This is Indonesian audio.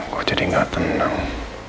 gue jadi gak tenang